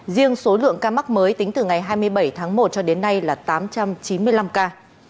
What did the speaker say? riêng số lượng ca mắc mới tính từ ngày hai mươi bảy tháng một cho đến nay là tám trăm chín mươi năm ca